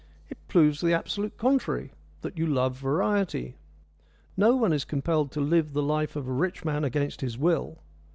It proves the absolute contrary that you love variety. No one is compelled to live the life of a rich man against his will.